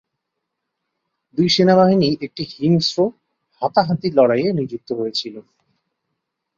দুই সেনাবাহিনী একটি হিংস্র, হাতাহাতি লড়াইয়ে নিযুক্ত হয়েছিল।